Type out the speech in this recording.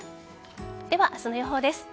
では、明日の予報です。